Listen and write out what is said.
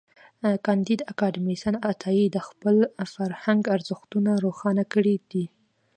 کانديد اکاډميسن عطايي د خپل فرهنګ ارزښتونه روښانه کړي دي.